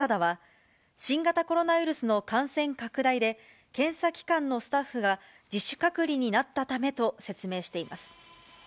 時間がかかった理由についてルサダは、新型コロナウイルスの感染拡大で、検査機関のスタッフが、自主隔離になったためと説明しています。